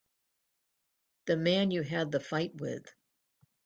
The man you had the fight with.